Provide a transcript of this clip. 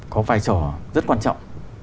có vai trò rất quan trọng